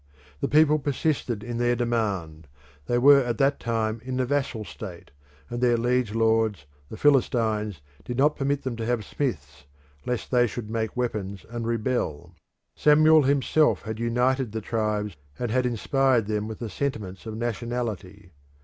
The people persisted in their demand; they were at that time in the vassal state, and their liege lords, the Philistines, did not permit them to have smiths lest they should make weapons and rebel. Samuel himself had united the tribes, and had inspired them with the sentiments of nationality.